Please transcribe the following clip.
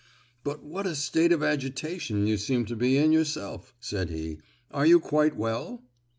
"But what a state of agitation you seem to be in yourself!" said he, "are you quite well?"